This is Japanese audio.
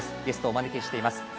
ゲストをお招きしています。